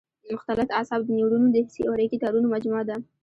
مختلط اعصاب د نیورونونو د حسي او حرکي تارونو مجموعه ده.